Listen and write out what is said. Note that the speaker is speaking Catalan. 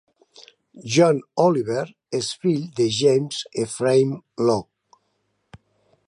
John Oliver és fill de James Ephraim Law.